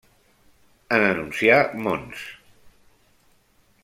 En anunciar Mons.